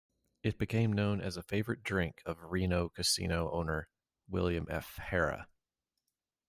It became known as a favorite drink of Reno casino owner William F. Harrah.